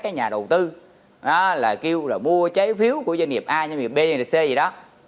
cái nhà đầu tư đó là kêu là mua trái phiếu của doanh nghiệp a doanh nghiệp b doanh nghiệp c gì đó